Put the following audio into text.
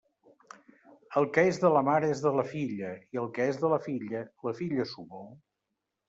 El que és de la mare és de la filla, i el que és de la filla, la filla s'ho vol.